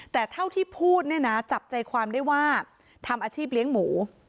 แต่เท่าที่พูดเนี่ยนะจับใจความได้ว่าทำอาชีพเลี้ยงหมู